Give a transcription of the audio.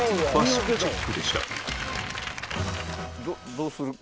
どうする？